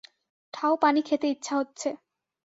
ঠাও পানি খেতে ইচ্ছা হচ্ছে!